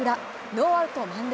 ノーアウト満塁。